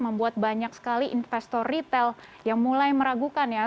membuat banyak sekali investor retail yang mulai meragukan ya